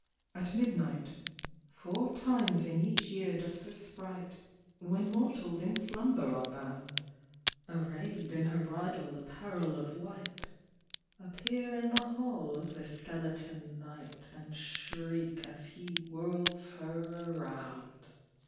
At midnight four times in each year does her sprite, When mortals in slumber are bound, Arrayed in her bridal apparel of white, Appear in the hall of the skeleton knight, And shriek as he whirls her around.